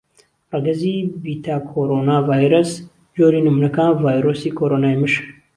ڕەگەزی بێتاکۆڕوناڤایرەس: جۆری نموونەکان: ڤایرۆسی کۆڕۆنای مشک.